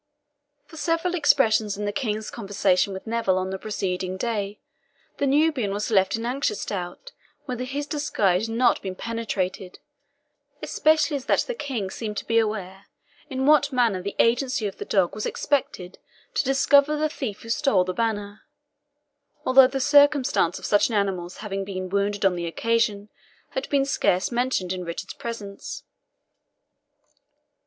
From several expressions in the King's conversation with Neville on the preceding day, the Nubian was left in anxious doubt whether his disguise had not been penetrated, especially as that the King seemed to be aware in what manner the agency of the dog was expected to discover the thief who stole the banner, although the circumstance of such an animal's having been wounded on the occasion had been scarce mentioned in Richard's presence.